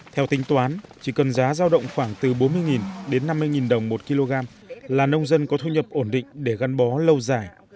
theo tính toán chỉ cần giá giao động khoảng từ bốn mươi đến năm mươi đồng một kg là nông dân có thu nhập ổn định để gắn bó lâu dài